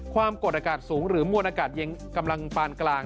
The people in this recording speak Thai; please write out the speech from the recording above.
ความกดอากาศสูงหรือมวลอากาศเย็นกำลังปานกลาง